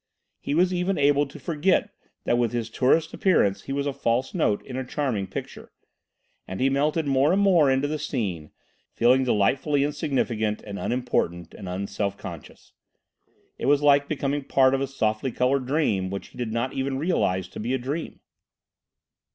He was even able to forget that with his tourist appearance he was a false note in a charming picture, and he melted more and more into the scene, feeling delightfully insignificant and unimportant and unselfconscious. It was like becoming part of a softly coloured dream which he did not even realise to be a dream.